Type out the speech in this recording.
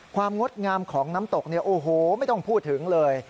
งดงามของน้ำตกเนี่ยโอ้โหไม่ต้องพูดถึงเลย